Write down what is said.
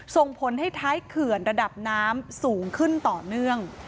ส่งผลให้ท้ายเขื่อนระดับน้ำสูงขึ้นต่อเนื่อง